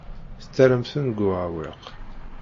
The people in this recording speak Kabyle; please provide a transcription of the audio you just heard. Tettarram-ten deg uɛewwiq.